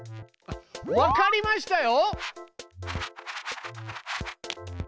わかりましたよ！